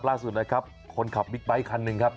ล่าสุดนะครับคนขับบิ๊กไบท์คันหนึ่งครับ